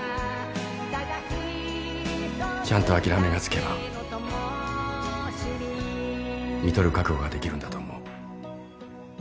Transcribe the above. ちゃんと諦めがつけばみとる覚悟ができるんだと思う。